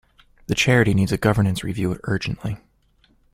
The charity needs a governance review urgently